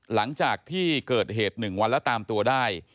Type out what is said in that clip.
หลังจากที่เกิดเหตุ๑วันแล้วตามตัวได้